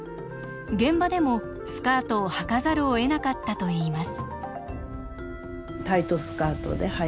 現場でもスカートをはかざるをえなかったといいます。